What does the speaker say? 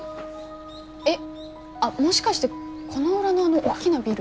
えっあっもしかしてこの裏のあの大きなビル？